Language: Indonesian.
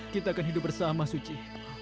kita akan hidup bersama suci